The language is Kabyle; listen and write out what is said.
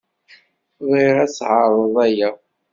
Bɣiɣ ad tɛeṛḍeḍ aya.